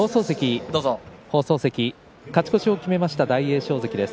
勝ち越しを決めました大栄翔関です。